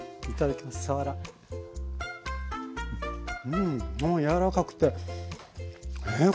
うんもう柔らかくてえ？